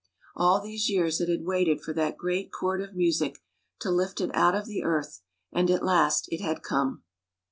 All these years it had waited for that great chord of music to lift it out of the earth, and at last it had come.